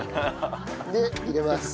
で入れます。